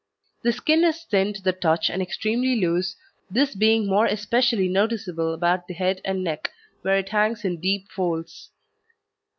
The skin is thin to the touch and extremely loose, this being more especially noticeable about the head and neck, where it hangs in deep folds.